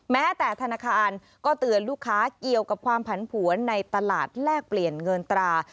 แม้แต่ธนาคารก็เตือนลูกค้าเกี่ยวกับความผันผวนในตลาดแลกเปลี่ยนเงินตรา